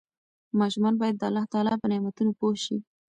ماشومان باید د الله تعالی په نعمتونو پوه شي.